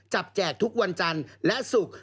แจกทุกวันจันทร์และศุกร์